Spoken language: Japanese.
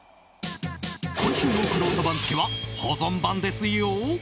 今週のくろうと番付は保存版ですよ！